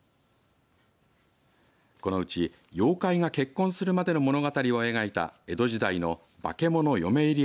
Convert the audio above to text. このうち妖怪が結婚するまでの物語を描いた江戸時代の化物嫁入り